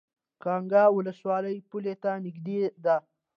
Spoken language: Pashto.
کانګ ولسوالۍ پولې ته نږدې ده؟